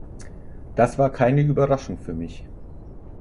Das war keine Überraschung für mich.